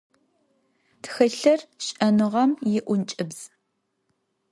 Тхылъыр - шӏэныгъэм иӏункӏыбз.